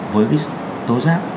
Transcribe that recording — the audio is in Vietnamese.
với cái tối giác